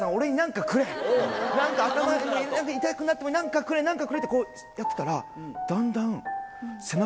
頭痛くなってもいい何かくれってこうやってたらだんだん。